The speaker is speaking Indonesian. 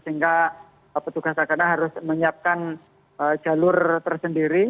sehingga petugas tagana harus menyiapkan jalur tersendiri